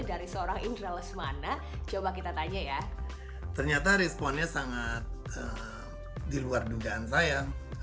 dari seorang indra lesmana coba kita tanya ya ternyata responnya sangat diluar dugaan saya